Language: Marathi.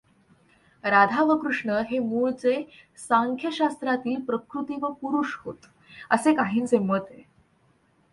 राधा व कृष्ण हे मूळचे सांख्यशास्त्रातील प्रकृती व पुरुष होत, असे काहींचे मत आहे.